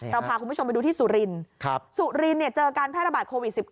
พาคุณผู้ชมไปดูที่สุรินทร์สุรินเจอการแพร่ระบาดโควิด๑๙